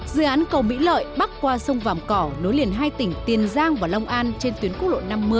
dự án cầu mỹ lợi bắc qua sông vàm cỏ nối liền hai tỉnh tiền giang và long an trên tuyến quốc lộ năm mươi